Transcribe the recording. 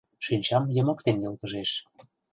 Шинчам йымыктен йылгыжеш.